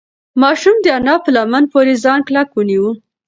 ماشوم د انا په لمن پورې ځان کلک ونیو.